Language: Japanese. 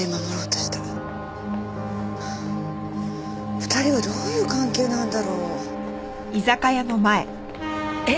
２人はどういう関係なんだろう？えっ？